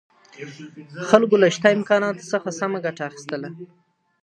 خلګو له شته امکاناتو څخه سمه ګټه اخیستله.